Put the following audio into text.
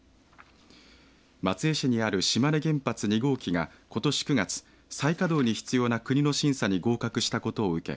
松江市にある島根原発２号機がことし９月、再稼働に必要な国の審査に合格したことを受け